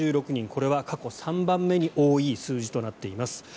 これは過去３番目に多い数字となっています。